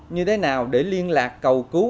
như thế nào để liên lạc cầu cứu